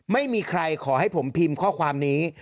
ไม่มีใครขอให้ผมพิมพ์ข้อความนี้